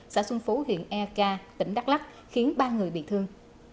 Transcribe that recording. xã xuân phú huyện e k tỉnh đắk lắc khiến ba người bị thương